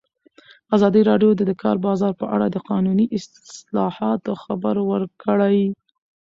ازادي راډیو د د کار بازار په اړه د قانوني اصلاحاتو خبر ورکړی.